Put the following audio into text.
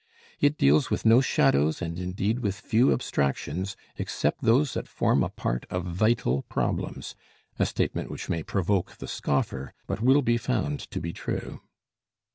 It deals with no shadows, and indeed with few abstractions, except those that form a part of vital problems a statement which may provoke the scoffer, but will be found to be true.